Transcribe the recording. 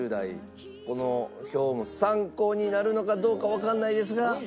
この表も参考になるのかどうかわからないですが。